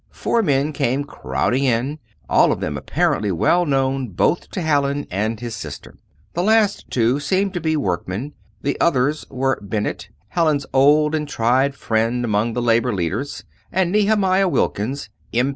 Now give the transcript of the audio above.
Four men came crowding in, all of them apparently well known both to Hallin and his sister. The last two seemed to be workmen; the others were Bennett, Hallin's old and tried friend among the Labour leaders, and Nehemiah Wilkins, M.